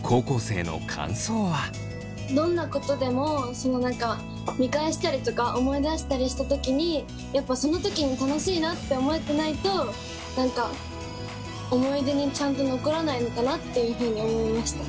どんなことでも見返したりとか思い出したりした時にやっぱその時に楽しいなって思えてないと何か思い出にちゃんと残らないのかなっていうふうに思いました。